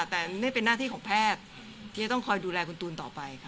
แต่นี่เป็นหน้าที่ของแพทย์ที่จะต้องคอยดูแลคุณตูนต่อไปค่ะ